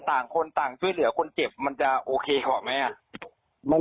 ต่างคนต่างช่วยเหลือคนเจ็บมันจะโอเคขอไหมอ่ะ